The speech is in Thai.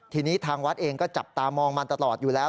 ทีนี้ทางวัดเองก็จับตามองมาตลอดอยู่แล้ว